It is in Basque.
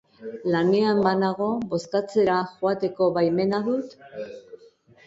Lanean banago, bozkatzera joateko baimena dut?